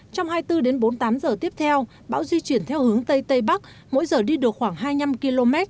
trong hai mươi bốn đến bốn mươi tám giờ tiếp theo bão di chuyển theo hướng tây tây bắc mỗi giờ đi được khoảng hai mươi năm km